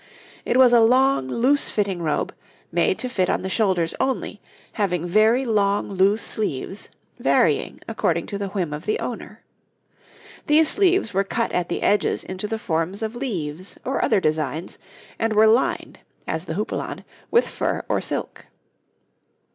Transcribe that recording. It was a long loose fitting robe, made to fit on the shoulders only, having very long loose sleeves, varying according to the whim of the owner. These sleeves were cut at the edges into the forms of leaves or other designs, and were lined, as the houppelande, with fur or silk.